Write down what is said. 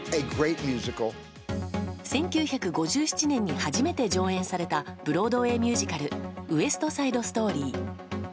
１９５７年に初めて上演されたブロードウェーミュージカル「ウエスト・サイド・ストーリー」。